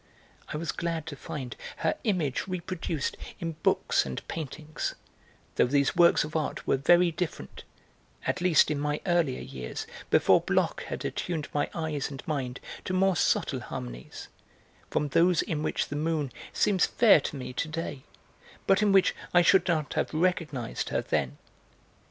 I was glad to find her image reproduced in books and paintings, though these works of art were very different at least in my earlier years, before Bloch had attuned my eyes and mind to more subtle harmonies from those in which the moon seems fair to me to day, but in which I should not have recognised her then.